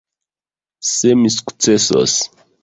Se mi sukcesos.